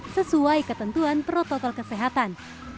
sesuai ketentuan protokol kesehatan